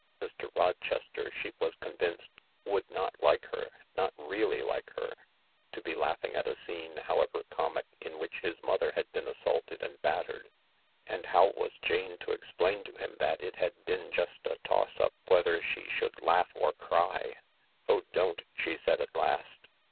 Mr. Rochester, she was convinced, would not like her — not really like her — to be laughing at a scene, however comic, in which his mother had been assaulted and battered ; and how was Jane to explain to him that it had been just a toss up whether she should laugh or cry ?" Oh, don't !" she said at last.